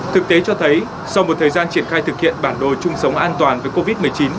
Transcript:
thực tế cho thấy sau một thời gian triển khai thực hiện bản đồ chung sống an toàn với covid một mươi chín